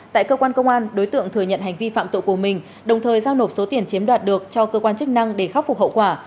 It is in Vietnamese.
tại cơ quan công an đối tượng thừa nhận hành vi phạm tội của mình đồng thời giao nộp số tiền chiếm đoạt được cho cơ quan chức năng để khắc phục hậu quả